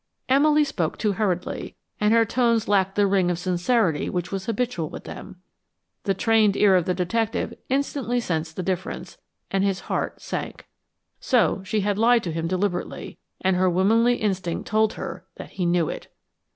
Emily spoke too hurriedly, and her tones lacked the ring of sincerity which was habitual with them. The trained ear of the detective instantly sensed the difference, and his heart sank. So she had lied to him deliberately, and her womanly instinct told her that he knew it.